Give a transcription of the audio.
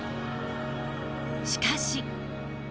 しかし。